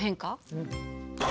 うん。